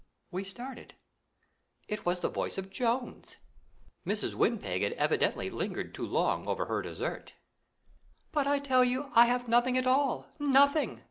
We started. It was the voice of Jones. Mrs. Windpeg had evidently lingered too long over her dessert. "But I tell you I have nothing at all nothing!"